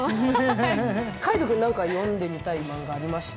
海音君、読んでみたいマンガありました？